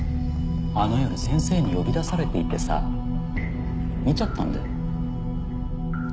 あの夜先生に呼び出されていてさ見ちゃったんだよ